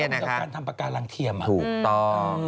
ไม่ต้องการทำปากการังเทียมถูกต้อง